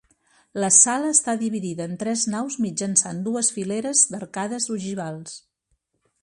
La sala està dividida en tres naus mitjançant dues fileres d'arcades ogivals.